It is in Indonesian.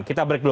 kita break dulu